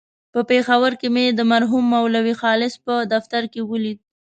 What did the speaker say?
په پېښور کې مې د مرحوم مولوي خالص په دفتر کې ولید.